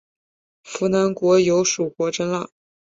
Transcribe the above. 扶南国有属国真腊。